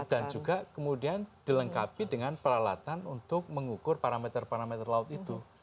dan juga kemudian dilengkapi dengan peralatan untuk mengukur parameter parameter laut itu